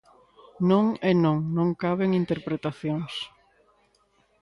Non é non, non caben interpretacións.